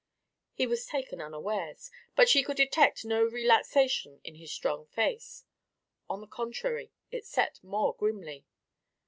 He was taken unawares, but she could detect no relaxation in his strong face; on the contrary, it set more grimly.